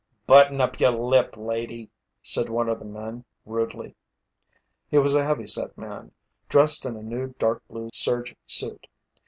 "Button up your lip, lady!" said one of the men rudely. He was a heavy set man, dressed in a new dark blue serge suit.